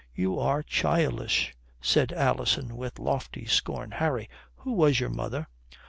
"You are childish," said Alison with lofty scorn. "Harry who was your mother?"